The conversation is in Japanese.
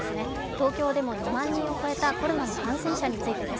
東京でも２万人を超えたコロナの感染者についてです。